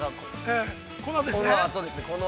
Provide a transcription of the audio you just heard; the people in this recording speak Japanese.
このあとですね。